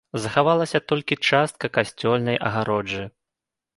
Захавалася толькі частка касцёльнай агароджы.